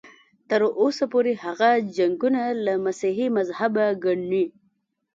تر اوسه پورې هغه جنګونه له مسیحي مذهبه ګڼي.